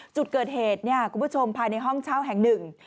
จุดเกิดเหตุเนี่ยคุณผู้ชมภายในห้องเช่าแห่งหนึ่ง